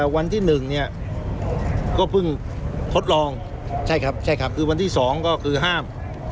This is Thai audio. วันที่๑เนี่ยก็เพิ่งทดลองคือวันที่๒ก็คือห้าม